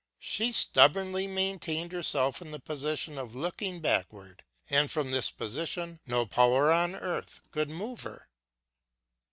She stubbornly maintained herself in the position of looking backward, and from this position no power on earth could move her